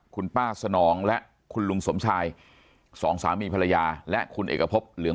คุณป้าสนองและคุณลุงสมชายสองสามีภรรยาและคุณเอกพบเหลือง